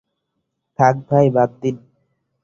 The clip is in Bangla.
থাক ভাই, বাদ দিন।